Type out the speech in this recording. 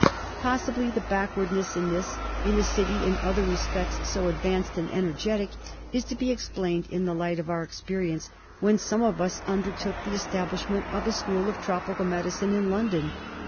Possibly the backwardness in this, in a city in other respects so 224 PROBLEMS IN TROPICAL MEDICINE. • advanced and energetic, is to be explained in the light of our experience when some of us undertook the establishment of a school of tropical medicine in London.